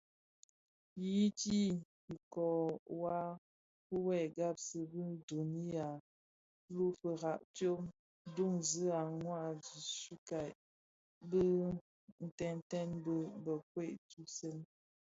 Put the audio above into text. Ti yiyiti ikōō wua wu bë ghaksi bi duň yi lufira duňzi a mwadingusha Bitënten bi bë nkoomèn ntusèn.